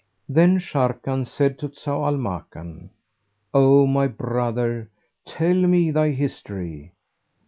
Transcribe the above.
Then Sharrkan said to Zau al Makan, "O my brother, tell me thy history."